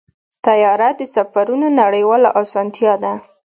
طیاره د سفرونو نړیواله اسانتیا ده.